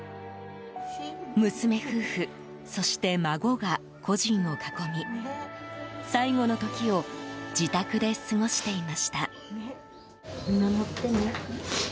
娘夫婦、そして孫が故人を囲み最後の時を自宅で過ごしていました。